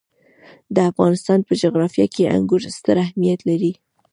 د افغانستان په جغرافیه کې انګور ستر اهمیت لري.